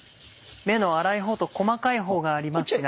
目の粗いほうと細かいほうがありますが。